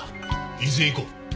伊豆へ行こう。